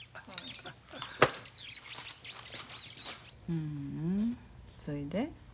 ふんそいで？